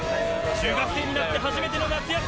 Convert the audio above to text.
中学生になって初めての夏休み。